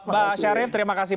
pak sarif terima kasih